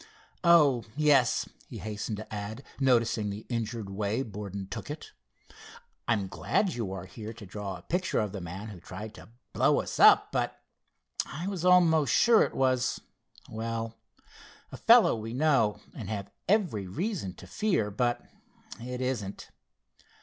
"Oh, yes," he hastened to add, noticing the injured way Borden took it, "I'm glad you are here to draw a picture of the man who tried to blow us up, but I was almost sure it was—well, a fellow we know, and have every reason to fear. But it isn't!"